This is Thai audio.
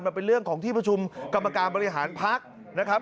มันเป็นเรื่องของที่ประชุมกรรมการบริหารพักนะครับ